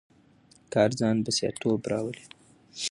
کار ځان بسیا توب راولي.